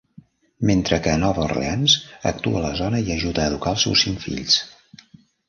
Mentre que a Nova Orleans actua a la zona i ajuda a educar als seus cinc fills.